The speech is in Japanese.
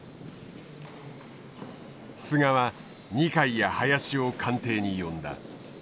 菅は二階や林を官邸に呼んだ。